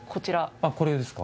あこれですか？